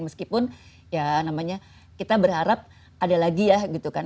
meskipun ya namanya kita berharap ada lagi ya gitu kan